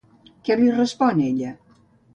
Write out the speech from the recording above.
Què li respon ella?